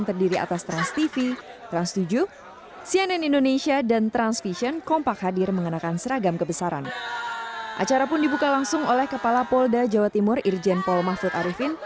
transmedia jawa timur